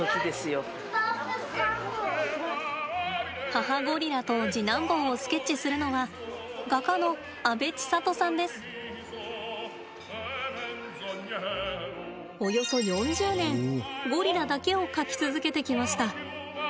母ゴリラと次男坊をスケッチするのはおよそ４０年ゴリラだけを描き続けてきました。